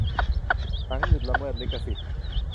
หนัง หยุดละเมิดลิขสิทธิ์